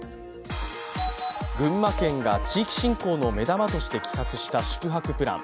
群馬県が地域振興の目玉として企画した宿泊プラン。